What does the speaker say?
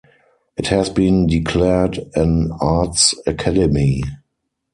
It has been declared an arts academy.